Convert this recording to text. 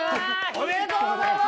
おめでとうございます。